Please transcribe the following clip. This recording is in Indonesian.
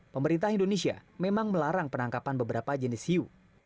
pemerintah indonesia memang melarang penangkapan beberapa jenis hiu